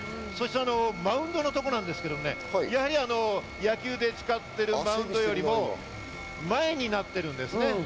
マウンドのところなんですが、野球で使っているマウンドよりも前になっているんですね。